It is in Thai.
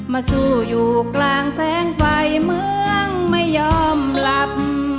มาสู้อยู่กลางแสงไฟเมืองไม่ยอมหลับ